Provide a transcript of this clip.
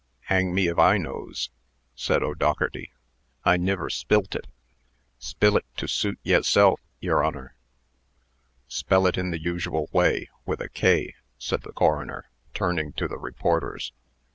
"Hang me if I knows!" said the O'Dougherty. "I niver spilt it. Spill it to suit yezself, yer Honor." "Spell it in the usual way, with a 'k'" said the coroner, turning to the reporters.